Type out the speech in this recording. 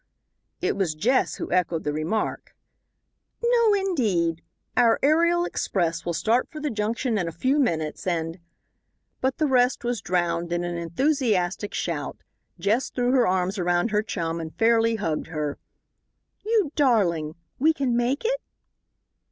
It was Jess who echoed the remark. "No, indeed. Our aerial express will start for the junction in a few minutes, and " But the rest was drowned in an enthusiastic shout. Jess threw her arms about her chum and fairly hugged her. "You darling. We can make it?"